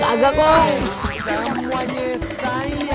kamu aja sayang